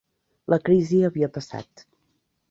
La crisi havia passat.